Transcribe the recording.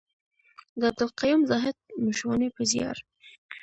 د عبدالقيوم زاهد مشواڼي په زيار.